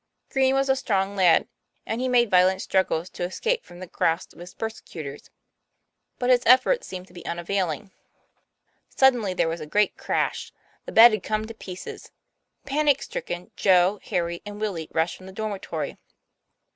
Green was a strong lad; and he made violent struggles to escape from the grasp of his persecutors. But his efforts seemed to be unavailing. Suddenly there was a great crash. The bed had come to pieces. Panic stricken, Joe, Harry, and Willie rushed from the dormitory.